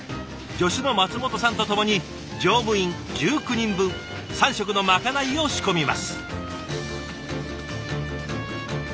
助手の松本さんと共に乗務員１９人分３食のまかないを仕込みます。